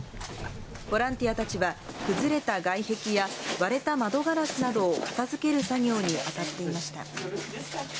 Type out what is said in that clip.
ボランティアたちは、外壁や割れた窓ガラスなどを片づける作業に当たっていました。